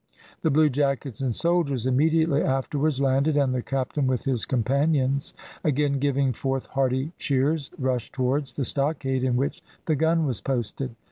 The bluejackets and soldiers immediately afterwards landed, and the captain, with his companions, again giving forth hearty cheers, rushed towards the stockade in which the gun was posted.